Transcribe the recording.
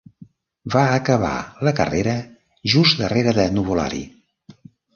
Va acabar la carrera just darrera de Nuvolari.